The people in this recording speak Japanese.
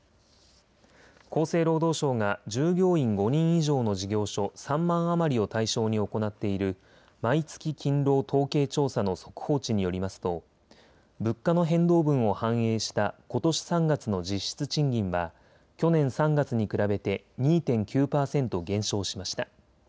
厚生労働省が従業員５人以上の事業所３万余りを対象に行っている毎月勤労統計調査の速報値によりますと物価の変動分を反映したことし３月の実質賃金は去年３月に比べて２．９％減少しました。